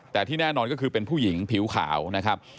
แต่ที่แน่นอนก็คือเป็นผู้หญิงผิวขาวนะครับ